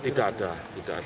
tidak ada tidak ada